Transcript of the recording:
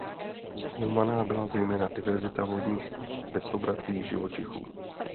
Zkoumána byla zejména diverzita vodních bezobratlých živočichů.